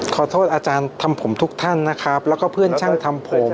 ขอโทษอาจารย์ทำผมทุกท่านนะครับแล้วก็เพื่อนช่างทำผม